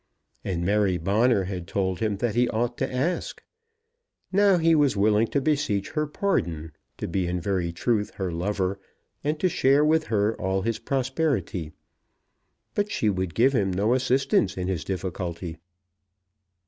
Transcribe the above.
And Mary Bonner had told him that he ought to ask. Now he was willing to beseech her pardon, to be in very truth her lover, and to share with her all his prosperity. But she would give him no assistance in his difficulty.